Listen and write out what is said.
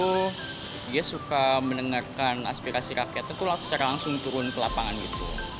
dan juga dia juga sering mendengarkan aspirasi rakyatnya tuh secara langsung turun ke lapangan gitu